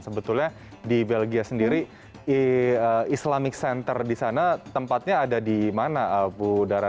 sebetulnya di belgia sendiri islamic center di sana tempatnya ada di mana bu dara